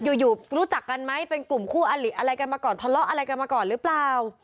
อยู่รู้จักกันไหมเป็นกลุ่มคู่อลิอะไรกันมาก่อนทะเลาะอะไรกันมาก่อนหรือเปล่า